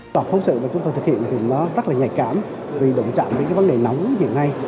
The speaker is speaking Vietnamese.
toàn phóng sự mà chúng tôi thực hiện thì nó rất là nhạy cảm vì động trạm đến cái vấn đề nóng hiện nay